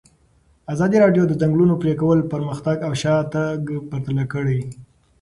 ازادي راډیو د د ځنګلونو پرېکول پرمختګ او شاتګ پرتله کړی.